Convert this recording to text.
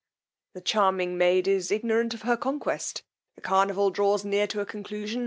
The charming maid is ignorant of her conquest: the carnival draws near to a conclusion.